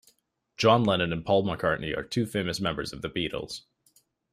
John Lennon and Paul McCartney are two famous members of the Beatles.